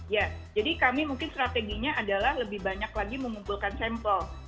ya jadi kami mungkin strateginya adalah lebih banyak lagi mengumpulkan sampel